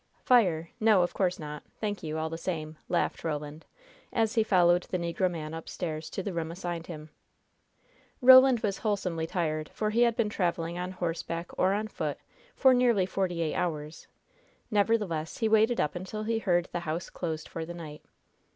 "Fire? No, of course not; thank you, all the same," laughed Roland, as he followed the negro man upstairs to the room assigned him. Roland was wholesomely tired, for he had been traveling on horseback or on foot for nearly forty eight hours; nevertheless, he waited up until he heard the house closed for the night.